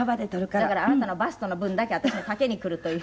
だからあなたのバストの分だけ私は丈にくるという。